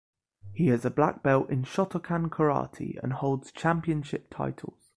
He has a black belt in Shotokan karate and holds championship titles.